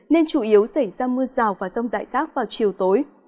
nên chủ yếu sẽ ra mưa rào và rông dại rác vào chiều tối